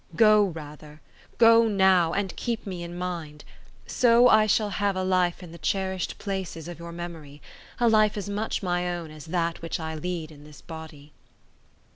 Go, rather, go now, and keep me in mind. So I shall have a life in the cherished places of your memory: a life as much my own, as that which I lead in this body."